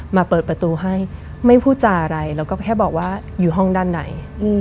เปิดประตูให้ไม่พูดจาอะไรแล้วก็แค่บอกว่าอยู่ห้องด้านใน